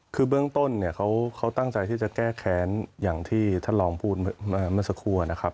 คือเบื้องต้นเนี่ยเขาตั้งใจที่จะแก้แค้นอย่างที่ท่านลองพูดเมื่อสักครู่นะครับ